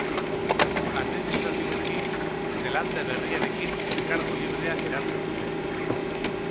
Administratiboki Zeelanda Berriarekin elkargo librea eratzen dute.